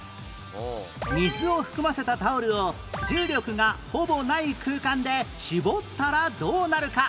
水を含ませたタオルを重力がほぼない空間で絞ったらどうなるか？